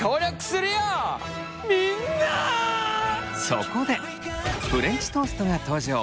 そこでフレンチトーストが登場。